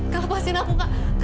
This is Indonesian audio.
kak lepasin aku kak